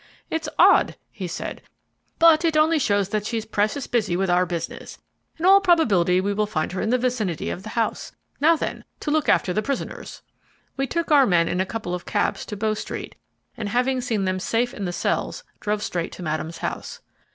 "It's odd," he said, "but it only shows that she's precious busy with our business. In all probability we will find her in the vicinity of the house. Now, then, to look after the prisoners." We took our men in a couple of cabs to Bow Street, and having seen them safe in the cells, drove straight to Madame's house.